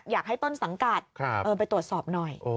อยากให้ต้นสังกัดไปตรวจสอบหน่อย